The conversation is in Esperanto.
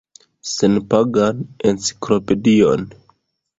Senpagan enciklopedion.